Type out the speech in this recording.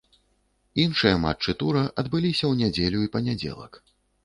Іншыя матчы тура адбыліся ў нядзелю і панядзелак.